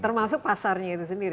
termasuk pasarnya itu sendiri